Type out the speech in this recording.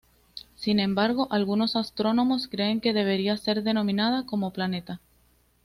Sin embargo, algunos astrónomos creen que debería ser denominada como planeta.